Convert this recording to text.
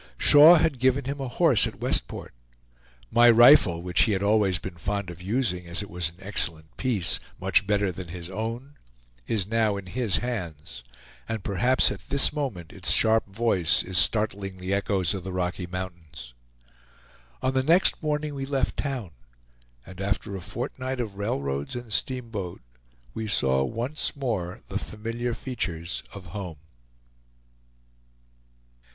Shaw had given him a horse at Westport. My rifle, which he had always been fond of using, as it was an excellent piece, much better than his own, is now in his hands, and perhaps at this moment its sharp voice is startling the echoes of the Rocky Mountains. On the next morning we left town, and after a fortnight of railroads and steamboat we saw once more the familiar features of home.